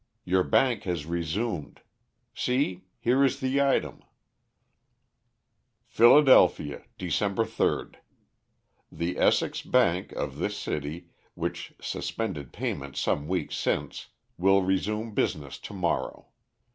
Your bank has resumed. See, here is the item: "'PHILADELPHIA, DEC. 3D. The Essex Bank, of this city, which suspended payment some weeks since, will resume business to morrow.